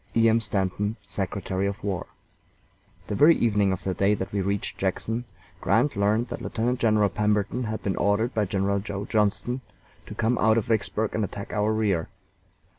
E. M. STANTON, Secretary of War. The very evening of the day that we reached Jackson, Grant learned that Lieutenant General Pemberton had been ordered by General Joe Johnston to come out of Vicksburg and attack our rear.